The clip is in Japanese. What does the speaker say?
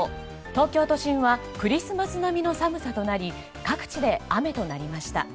東京都心はクリスマス並みの寒さとなり各地で雨となりました。